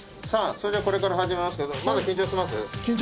それではこれから始めますけどまだ緊張してますね